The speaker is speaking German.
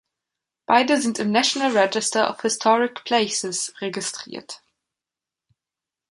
Beide sind im National Register of Historic Places registriert.